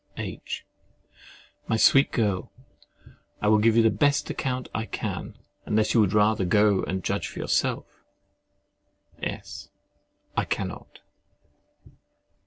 H. My sweet girl! I will give you the best account I can—unless you would rather go and judge for yourself. S. I cannot.